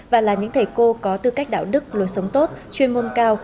và là những thầy cô có tư cách đạo đức lối sống tốt chuyên môn cao